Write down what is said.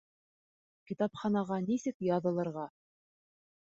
Китапханаға нисек яҙылырға?